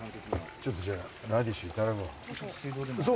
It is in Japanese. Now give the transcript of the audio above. ちょっとじゃあラディシュいただこう。